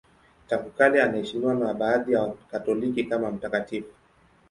Tangu kale anaheshimiwa na baadhi ya Wakatoliki kama mtakatifu.